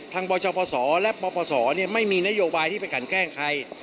บชปศและปปศไม่มีนโยบายที่ไปกันแกล้งใคร